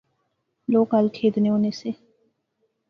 لوک ہل کھیدنے ہونے سے